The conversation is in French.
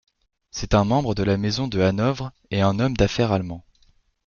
C'est un membre de la maison de Hanovre et un homme d'affaires allemand.